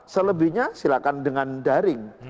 selebihnya silahkan dengan daring